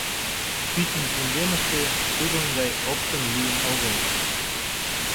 Пӱтынь кундемыште тудын гай опкын лийын огыл.